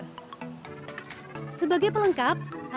sebagai pelengkap anda bisa membuat bubur yang berbeda